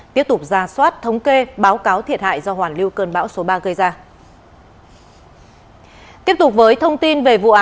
tiếp tục ra soát thống kê báo cáo thiệt hại do hoàn lưu cơn bão số ba gây ra